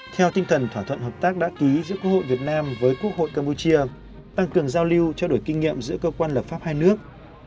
theo tinh thần thỏa thuận hợp tác đã ký giữa quốc hội việt nam với quốc hội campuchia tăng cường giao lưu trao đổi kinh nghiệm giữa cơ quan lập pháp hai nước